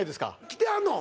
来てはんの？